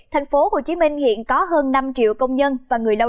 thành phố hồ chí minh hiện có hơn năm triệu công nhân và người đông